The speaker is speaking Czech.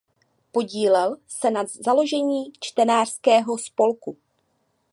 Podílel se na založení Čtenářského spolku.